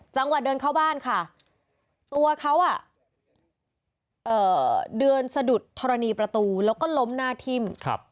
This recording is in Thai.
เดินเข้าบ้านค่ะตัวเขาเดินสะดุดธรณีประตูแล้วก็ล้มหน้าทิ่ม